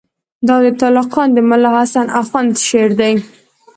دا د تُلُقان د ملاحسن آخوند شعر دئ.